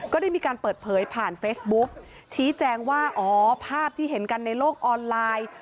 ก็ได้มีการเปิดเผยผ่านเฟซบุ๊กชี้แจงว่าอ๋อภาพที่เห็นกันในโลกออนไลน์